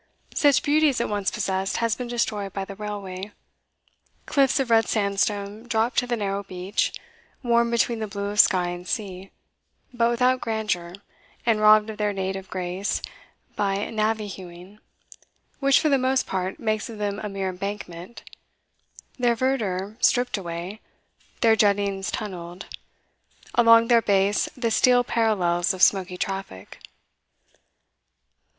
Such beauty as it once possessed has been destroyed by the railway. Cliffs of red sandstone drop to the narrow beach, warm between the blue of sky and sea, but without grandeur, and robbed of their native grace by navvy hewing, which for the most part makes of them a mere embankment: their verdure stripped away, their juttings tunnelled, along their base the steel parallels of smoky traffic.